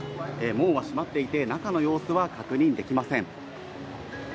門は閉まっていて、中の様子は確認できません。